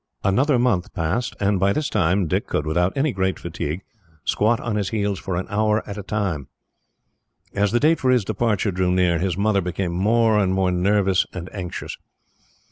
Another month passed, and by this time Dick could, without any great fatigue, squat on his heels for an hour at a time. As the date for his departure drew near, his mother became more and more nervous and anxious.